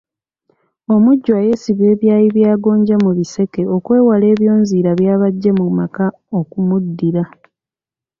Omujjwa yeesiba ebyayi bya gonja mu biseke okwewala ebyonziira by’aba ajje mu maka okumuddira.